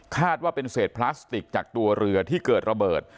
ว่าเป็นเศษพลาสติกจากตัวเรือที่เกิดระเบิด